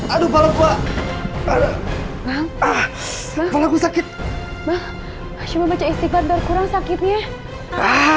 aduh balap ah ah ah kalau gue sakit mah cuma baca istighfar berkurang sakitnya ah